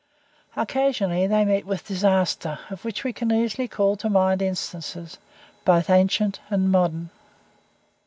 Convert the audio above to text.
Occasionally they meet with disaster, of which we can easily call to mind instances, both ancient and modern.